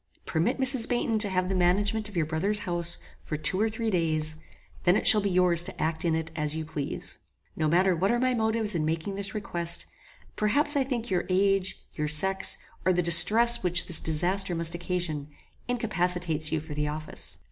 Permit Mrs. Baynton to have the management of your brother's house for two or three days; then it shall be yours to act in it as you please. No matter what are my motives in making this request: perhaps I think your age, your sex, or the distress which this disaster must occasion, incapacitates you for the office.